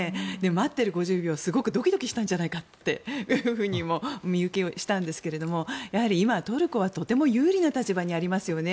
待っている５０秒すごくドキドキしたんじゃないかとも見受けしたんですがやはり今トルコはとても有利な立場にありますよね。